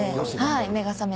目が覚めて。